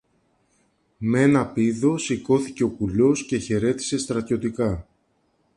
Μ' έναν πήδο σηκώθηκε ο κουλός και χαιρέτησε στρατιωτικά.